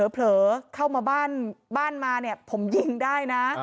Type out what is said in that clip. เผลอเข้ามาบ้านมาเนี่ยผมยิงได้นะ